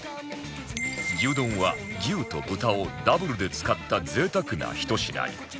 牛丼は牛と豚をダブルで使った贅沢な１品に